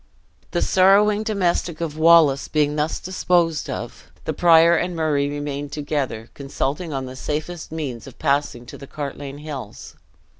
The sorrowing domestic of Wallace being thus disposed of, the prior and Murray remained together, consulting on the safest means of passing to the Cartlane hills.